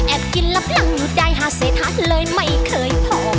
แอบกินลับลั่งอยู่ได้หาเสพหาตเลยไม่เคยพอ